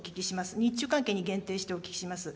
日中関係に限定してお聞きします。